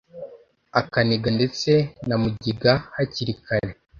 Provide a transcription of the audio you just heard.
akaniga ndetse na mugiga hakiri kare.